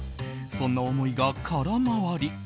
そんな思いが空回り。